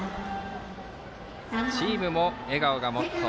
チームも笑顔がモットー。